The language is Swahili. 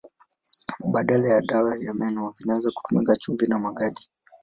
Badala ya dawa ya meno vinaweza kutumika chumvi na magadi.